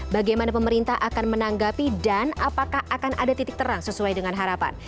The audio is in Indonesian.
bagaimana pemerintah akan menanggapi dan apakah akan ada titik terang sesuai dengan harapan